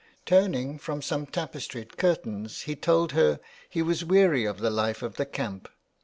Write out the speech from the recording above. Turning from some tapestried curtains, he told her he was weary of the life of the camp.